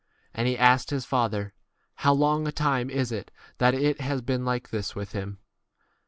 And he asked his father, How long a time is it that it has been like this with him